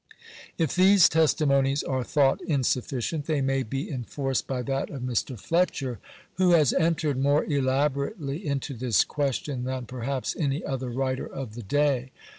If these testimonies are thought insufficient, they may be en forced by that of Mr. Fletcher, who has entered more elaborately into this question than perhaps any other writer of the day.